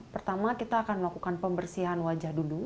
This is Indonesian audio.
pertama kita akan melakukan pembersihan wajah dulu